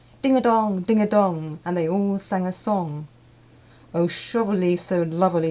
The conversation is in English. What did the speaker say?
Ding a dong, ding a dong! And they all sang a song. II. "O Shovely so lovely!"